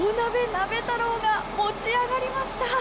鍋太郎が持ち上がりました！